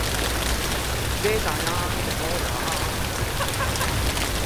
煎炒煮炸炆燉